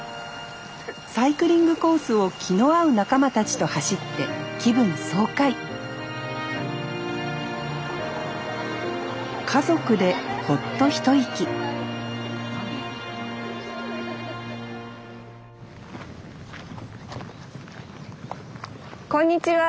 サイクリングコースを気の合う仲間たちと走って気分爽快家族でホッと一息こんにちは。